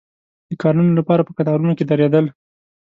د کارونو لپاره په کتارونو کې درېدل.